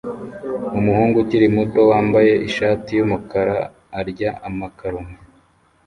Umuhungu ukiri muto wambaye ishati yumukara arya amakaroni